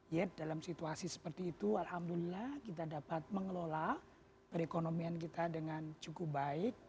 yet dalam situasi seperti itu alhamdulillah kita dapat mengelola perekonomian kita dengan cukup baik